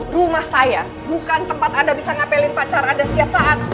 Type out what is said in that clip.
rumah saya bukan tempat anda bisa ngapelin pacar anda setiap saat